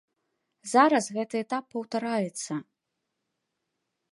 Зараз гэты этап паўтараецца.